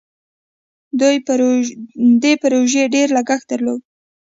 دې پروژې ډیر لګښت درلود.